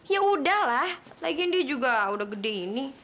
ya udah lah lagian dia juga udah gede ini